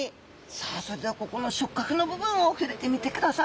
さあそれではここの触角の部分を触れてみてください！